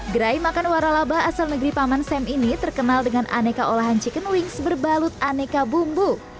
gerai makan waralaba asal negeri paman sam ini terkenal dengan aneka olahan chicken wings berbalut aneka bumbu